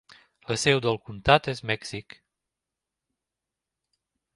La seu del comtat és Mèxic.